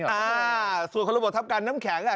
โอ้ยยยยยสวดคนละบพน้ำแข็งอ่ะ